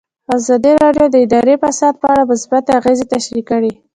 ازادي راډیو د اداري فساد په اړه مثبت اغېزې تشریح کړي.